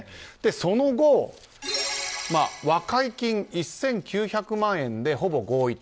その後、和解金１９００万円でほぼ合意と。